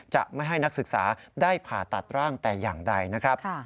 จะไม่ให้นักศึกษาได้ผ่าตัดร่างแต่อย่างใดนะครับ